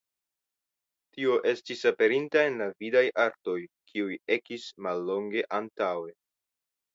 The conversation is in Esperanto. Tio estis aperinta en la vidaj artoj kiuj ekis mallonge antaŭe.